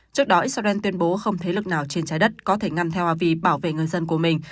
trước đó israel tuyên bố không thế lực nào trên trái đất có thể ngăn theo vì bảo vệ người dân của mình